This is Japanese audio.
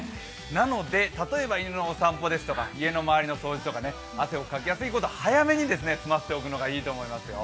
なので例えば犬のお散歩とか家の周りの掃除など汗をかきやすいことは早めに済ませておくことがいいと思いますよ。